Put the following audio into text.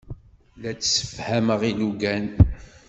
La d-ssefhameɣ ilugan.